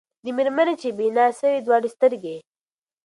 د مېرمني چي بینا سوې دواړي سترګي